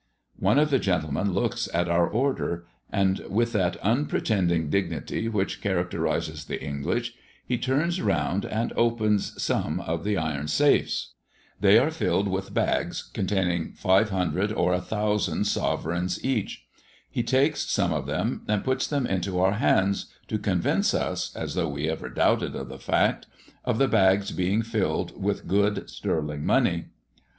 One of the gentlemen looks at our order, and, with that unpretending dignity which characterises the English, he turns round and opens some of the iron safes. They are filled with bags, containing 500 or 1000 sovereigns each. He takes some of them and puts them into our hands, to convince us, as though we ever doubted of the fact, of the bags being filled with good sterling money.